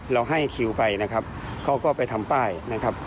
ให้คิวไปนะครับเขาก็ไปทำป้ายนะครับ